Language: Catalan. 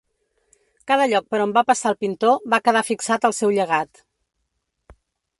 Cada lloc per on va passar el pintor va quedar fixat al seu llegat.